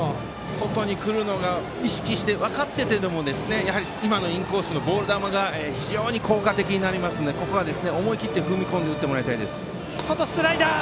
外に来るのが分かっていても今のインコースボール球が非常に効果的になりますのでここは思い切って踏み込んで外、スライダー！